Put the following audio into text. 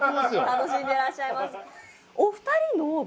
楽しんでらっしゃいます